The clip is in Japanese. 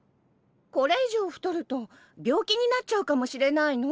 これ以上太ると病気になっちゃうかもしれないの。